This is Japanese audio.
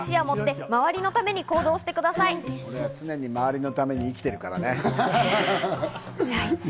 俺、常に周りのために生きてるからね。